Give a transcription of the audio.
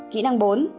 kỹ năng bốn